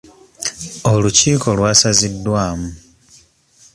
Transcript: Olukiiko lwasaziddwamu.